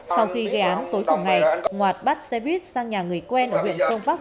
sau khi gây án tối thủng ngày ngoạt bắt xe buýt sang nhà người quen ở huyện phương pháp